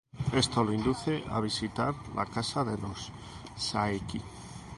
Esto lo induce a visitar la casa de los Saeki.